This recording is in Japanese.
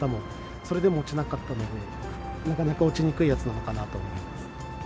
それでも落ちなかったので、なかなか落ちにくいやつなのかなと思います。